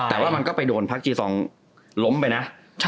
แต่ว่ามันก็ไปโดนพักจีซองล้มไปนะ